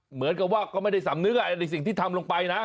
เหมือนกับว่าก็ไม่ได้สำนึกในสิ่งที่ทำลงไปนะ